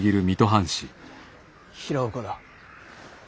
平岡だ。